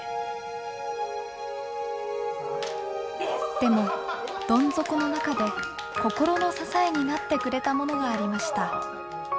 でもどん底の中で心の支えになってくれたものがありました。